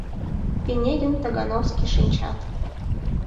Пинегин, Тагановский шинчат.